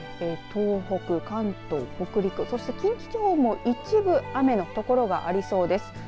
東北、関東、北陸近畿地方も一部雨の所がありそうです。